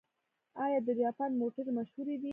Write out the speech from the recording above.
آیا د جاپان موټرې مشهورې دي؟